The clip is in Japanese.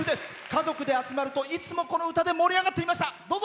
家族で集まると、いつもこの歌で盛り上がっていました。